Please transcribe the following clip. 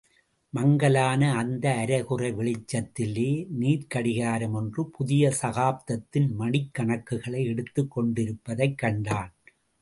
மங்கலான அந்த அரைகுறை வெளிச்சத்திலே, நீர்க் கடிகாரம் ஒன்று புதிய சகாப்தத்தின் மணிக் கணக்குகளை எடுத்துக் கொண்டிருப்பதைக் கண்டான்.